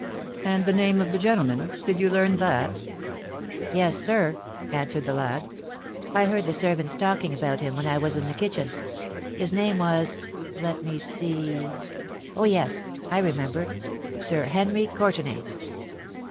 "And the name of the gentleman—did you learn that?" "Yes, sir," answered the lad: "I heard the servants talking about him, when I was in the kitchen. His name was—let me see?—Oh! yes—I remember—Sir Henry Courtenay."